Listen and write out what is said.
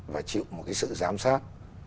và chịu một sự giám sát